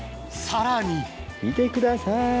さらに見てください。